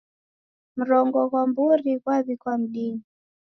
Mrongo ghwa mburi ghwaw'ikwa mdinyi